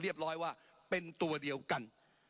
ปรับไปเท่าไหร่ทราบไหมครับ